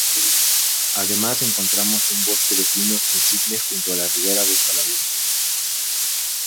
Además encontramos un bosque de pino insigne junto a la ribera de esta laguna.